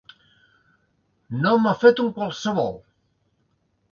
No m'ha fet un qualsevol!